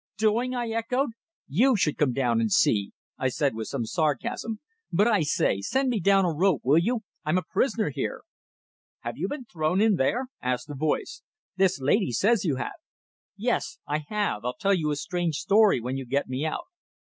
"Doing!" I echoed, "you should come down and see!" I said with some sarcasm. "But, I say! Send me down a rope, will you? I'm a prisoner here." "Have you been thrown in there?" asked the voice. "This lady says you have." "Yes, I have. I'll tell you a strange story when you get me out."